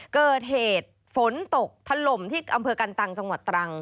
เกิดเหตุฝนตกถล่มที่อำเภอกันตังจังหวัดตรัง